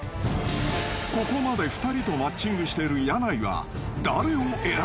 ［ここまで２人とマッチングしている箭内は］